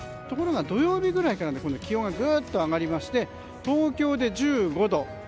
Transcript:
ところが、土曜日ぐらいから気温がぐっと上がりまして東京で１５度。